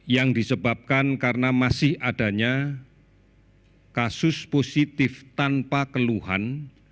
yang disebabkan karena masih adanya kasus positif tanpa keluhan